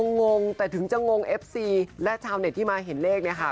งงแต่ถึงจะงงเอฟซีและชาวเน็ตที่มาเห็นเลขเนี่ยค่ะ